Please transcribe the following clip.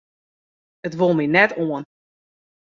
It wol my net oan.